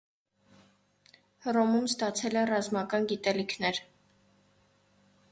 Հռոմում ստացել է ռազմական գիտելիքներ։